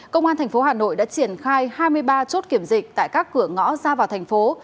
công an thành phố hà nội đã triển khai hai mươi ba chốt kiểm dịch tại các cửa ngõ ra vào thành phố